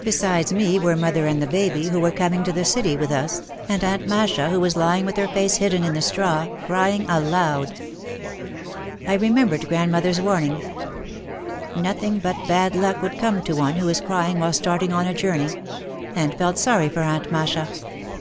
Besides me were mother and the baby, who were coming to the city with us, and Aunt Masha who was lying with her face hidden in the straw, crying aloud. I remembered grandmother's warning, "Nothing but bad luck could come to one who is crying while starting on a journey," and felt sorry for Aunt Masha.